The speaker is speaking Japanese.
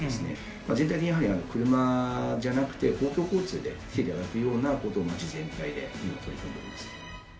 全体的にやはり車じゃなくて公共交通で来ていただくようなことを町全体で取り組んでおります。